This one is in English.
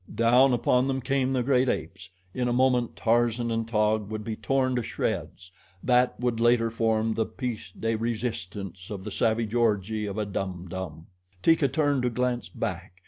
Down upon them came the great apes. In a moment Tarzan and Taug would be torn to shreds that would later form the PIECE DE RESISTANCE of the savage orgy of a Dum Dum. Teeka turned to glance back.